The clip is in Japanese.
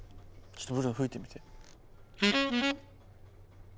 ちょっとブルーノ吹いてみて。